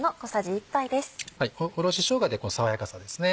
おろししょうがで爽やかさですね。